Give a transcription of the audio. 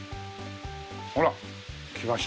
ほら来ました。